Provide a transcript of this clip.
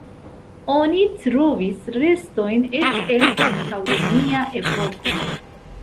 Oni trovis restojn eĉ el antaŭromia epoko.